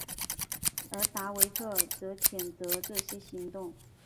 而达维特则谴责这些行动。